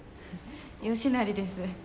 吉成です。